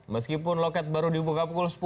meskipun loket baru dibuka pukul sepuluh